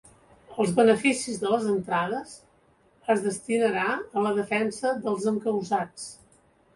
Els beneficis de les entrades es destinarà a la defensa dels encausats.